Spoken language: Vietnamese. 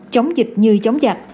chống dịch như chống dạch